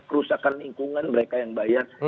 kerusakan lingkungan mereka yang bayar